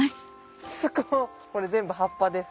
これ全部葉っぱです。